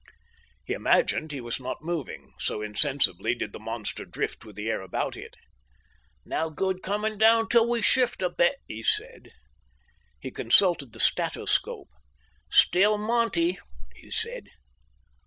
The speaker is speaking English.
He imagined he was not moving, so insensibly did the monster drift with the air about it. "No good coming down till we shift a bit," he said. He consulted the statoscope. "Still Monty," he said.